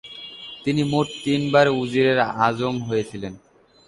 তিনি মোট তিনবার উজিরে আজম হয়েছিলেন।